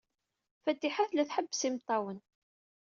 Fatiḥa tella tḥebbes imeṭṭawen.